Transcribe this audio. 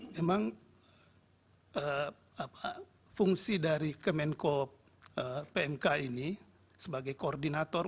memang fungsi dari kemenko pmk ini sebagai koordinator